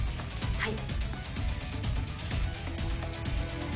はい！